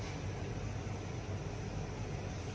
ติดลูกคลุม